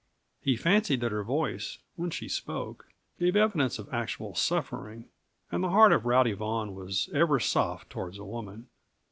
He fancied that her voice, when she spoke, gave evidence of actual suffering and the heart of Rowdy Vaughan was ever soft toward a woman.